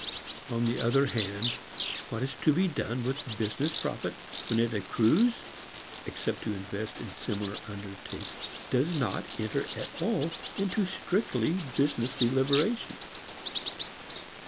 On the other hand, what is to be done with business profit when it accrues (except to invest it in similar undertakings) does not enter at all into a strictly business deliberation.